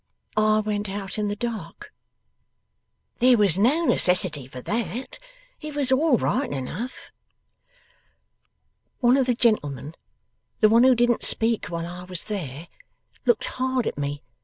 'I went out in the dark.' 'There was no necessity for that. It was all right enough.' 'One of the gentlemen, the one who didn't speak while I was there, looked hard at me.